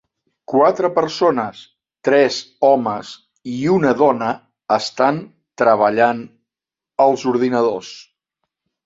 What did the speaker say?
Quatre persones, tres homes i una dona estan treballant als ordinadors.